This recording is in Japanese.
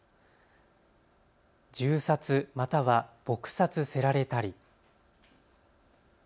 銃殺または撲殺せられたり。